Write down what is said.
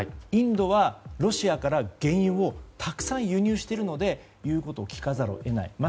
インドはロシアから原油をたくさん輸入しているので言うことを聞かざるを得ない。